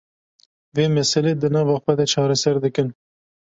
vê meselê di nava xwe de çareser dikin